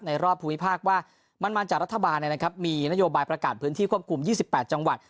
รอบภูมิภาคว่ามันมาจากรัฐบาลมีนโยบายประกาศพื้นที่ควบคุม๒๘จังหวัด